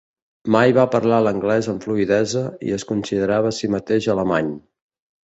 Mai va parlar l'anglès amb fluïdesa i es considerava a si mateix alemany.